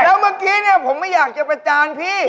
แล้วเมื่อกี๊นี่ผมมันอยากเก็บอาจารย์พีศ์